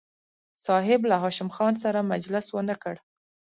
صاحب له هاشم خان سره مجلس ونه کړ.